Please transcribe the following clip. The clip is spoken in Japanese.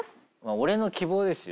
俺の希望ですよ。